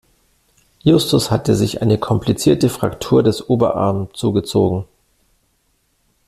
Justus hatte sich eine komplizierte Fraktur des Oberarm zugezogen.